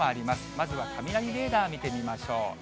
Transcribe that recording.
まずは雷レーダー見てみましょう。